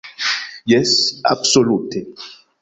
Jes, absolute!